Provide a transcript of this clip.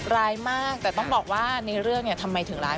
ร้ายมากแต่ต้องบอกว่าในเรื่องเนี่ยทำไมถึงร้าย